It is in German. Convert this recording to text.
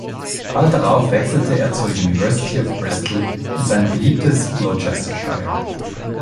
Bald darauf wechselte er zur University of Bristol in sein geliebtes Gloucestershire.